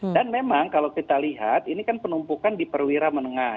dan memang kalau kita lihat ini kan penumpukan di perwira menengah